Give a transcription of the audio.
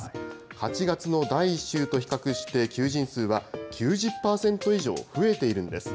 ８月の第１週と比較して求人数は９０％以上増えているんです。